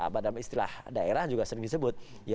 pada istilah daerah juga sering disebut